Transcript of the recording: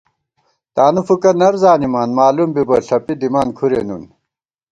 تانُو فُکہ نر زانِمان، مالُوم بِبہ ݪپی دِمان کھُرے نُن